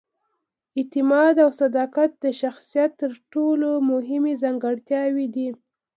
اعتماد او صداقت د شخصیت تر ټولو مهمې ځانګړتیاوې دي.